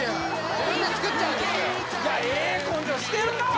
自分で作っちゃうんですよ